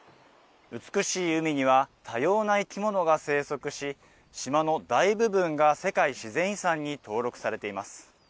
美しい海には、多様な生き物が生息し、島の大部分が世界自然遺産に登録されています。